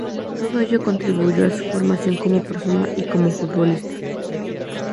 Todo ello contribuyó a su formación como persona y como futbolista.